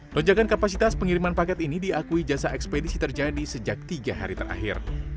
lonjakan kapasitas pengiriman paket ini diakui jasa ekspedisi terjadi sejak tiga hari terakhir